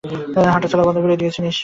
হাঁটাচলা বন্ধ করে দিয়েছে নিশ্চয়ই।